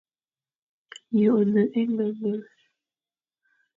Ye one engengen?